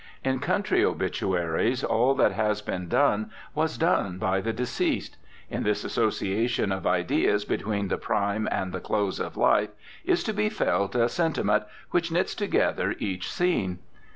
In country obituaries all that has been done was done by the deceased. In this association of ideas between the prime and the close of life is to be felt a sentiment which knits together each scene.